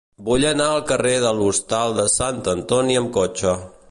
Vull anar al carrer de l'Hostal de Sant Antoni amb cotxe.